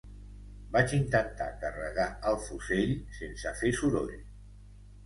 Vaig intentar carregar el fusell sense fer soroll.